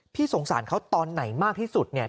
สงสารเขาตอนไหนมากที่สุดเนี่ย